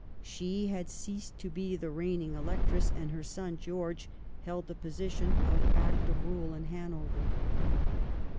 She had ceased to be the reigning Electress, and her son George held the position of active ruler in Hanover.